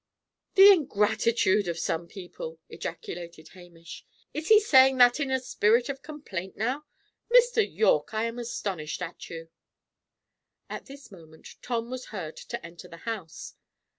"The ingratitude of some people!" ejaculated Hamish. "Is he saying that in a spirit of complaint, now? Mr. Yorke, I am astonished at you." At this moment Tom was heard to enter the house.